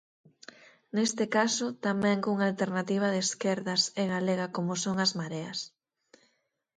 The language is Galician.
Neste caso tamén cunha alternativa de esquerdas e galega como son as mareas.